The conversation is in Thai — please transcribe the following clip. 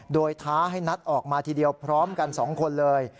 โดยท้าให้นัดออกมาทีเดียวพร้อมกัน๒คนเลย